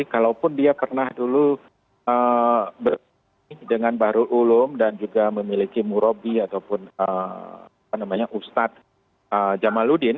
kalaupun dia pernah dulu berkumpul dengan bahru ulum dan juga memiliki murobi ataupun apa namanya ustadz jamaluddin